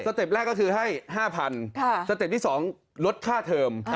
สเต็ปแรกคือให้๕๐๐๐บาทสเต็ปที่สองลดค่าเทอร์ม